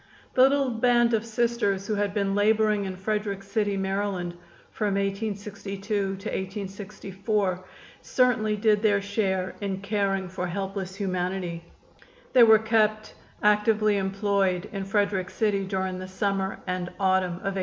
The little band of Sisters who had been laboring in Frederick City, Md., from 1862 to 1864 certainly did their share in caring for helpless humanity. They were kept actively employed in Frederick City during the summer and autumn of 1862.